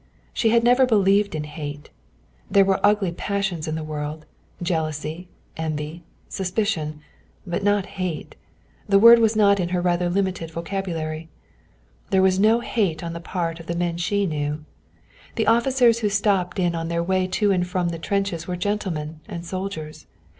She had never believed in hate. There were ugly passions in the world jealousy, envy, suspicion; but not hate. The word was not in her rather limited vocabulary. There was no hate on the part of the men she knew. The officers who stopped in on their way to and from the trenches were gentlemen and soldiers.